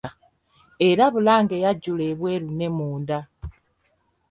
Era Bulange yajjula ebweru ne munda.